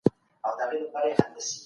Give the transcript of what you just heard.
کتابونه د زده کوونکو له خوا لوستل کيږي.